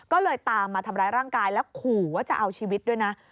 ก็เลยตามมาทำร้ายร่างกายแล้วขู่ว่าจะเอาชีวิตด้วยนะ